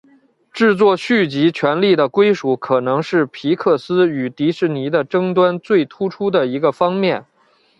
制作续集权利的归属可能是皮克斯与迪士尼的争端最突出的一个方面。